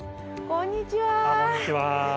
こんにちは。